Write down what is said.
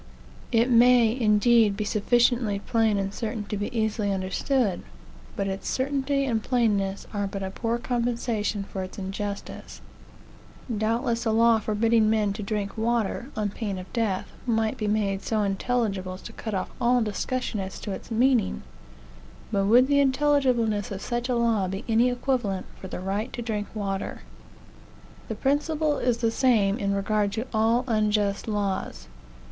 It may, indeed, be sufficiently plain and certain to be easily understood; but its certainty and plainness are but a poor compensation for its injustice. Doubtless a law forbidding men to drink water, on pain of death, might be made so intelligible as to cut off all discussion as to its meaning; but would the intelligibleness of such a law be any equivalent for the right to drink water? The principle is the same in regard to all unjust laws.